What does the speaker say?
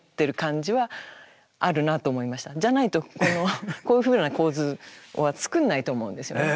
じゃないとこのこういうふうな構図は作んないと思うんですよね。